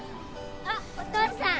あっお父さん！